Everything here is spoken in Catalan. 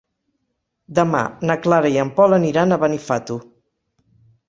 Demà na Clara i en Pol aniran a Benifato.